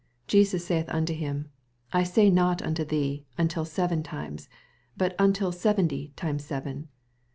22 Jesns saith nnto him, I say not nnto thee. Until seven times : but, Until seventy times seven.